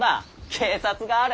警察がある。